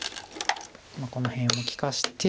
この辺を利かして。